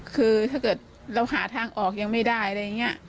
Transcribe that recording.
คือถ้าเกิดเราหาทางออกยังไม่ได้อะไรอย่างนี้